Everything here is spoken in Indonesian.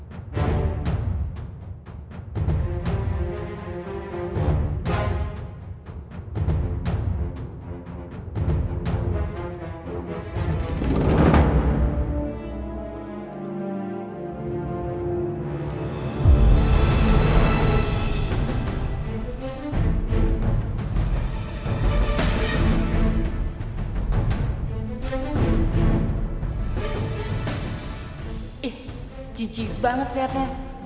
eh jijik banget keliatannya